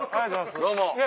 どうも。